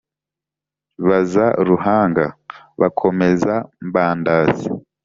Baza Ruhanga, bakomeza Mbandazi;